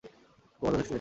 প্রমাণ যথেষ্ট হইয়াছে।